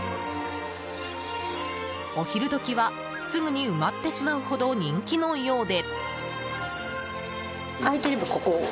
お昼時はすぐに埋まってしまうほど人気のようで。